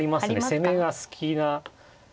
攻めが好きな。